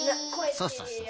そうそうそう。